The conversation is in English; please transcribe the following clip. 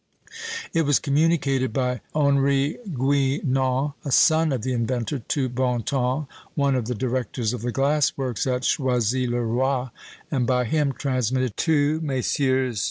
It was communicated by Henry Guinand (a son of the inventor) to Bontemps, one of the directors of the glassworks at Choisy le Roi, and by him transmitted to Messrs.